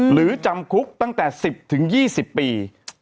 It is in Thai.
หรือจำคุกตั้งแต่๑๐๒๐ปี